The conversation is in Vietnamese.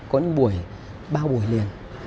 có những buổi ba buổi liền